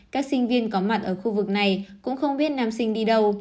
các sinh viên có mặt ở khu vực này cũng không biết nam sinh đi đâu